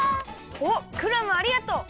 おっクラムありがとう！